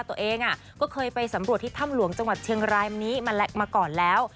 ตัวเองก็เคยไปสำรวจที่ถ้ำหลวงจังหวัดเชียงรายนี้มาก่อนแล้ว